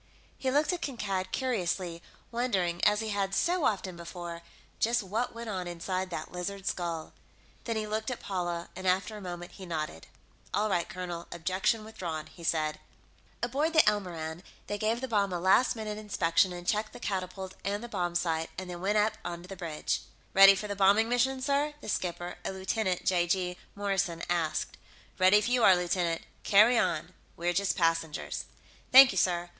He looked at Kankad curiously, wondering, as he had so often before, just what went on inside that lizard skull. Then he looked at Paula, and, after a moment, he nodded. "All right, colonel, objection withdrawn," he said. Aboard the Elmoran, they gave the bomb a last minute inspection and checked the catapult and the bomb sight, and then went up on the bridge. "Ready for the bombing mission, sir?" the skipper, a Lieutenant (j.g.) Morrison, asked. "Ready if you are, lieutenant. Carry on; we're just passengers." "Thank you, sir.